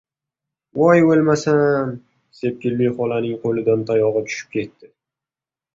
— Voy o‘lmasam! — Sepkilli xolaning qo‘lidan tayog‘i tushib ketdi.